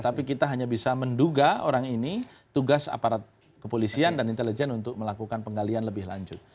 tapi kita hanya bisa menduga orang ini tugas aparat kepolisian dan intelijen untuk melakukan penggalian lebih lanjut